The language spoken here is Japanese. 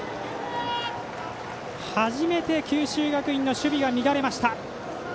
初めて九州学院の守備が乱れました。